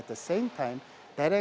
pada saat yang sama